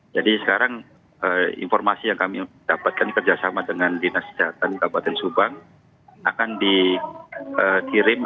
jadi sekarang informasi yang kami dapatkan kerjasama dengan dinas jahatan kabupaten subang akan ditirim